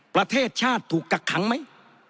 ประเทศชาติถูกกักขังไหม